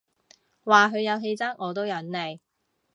話佢有氣質我都忍你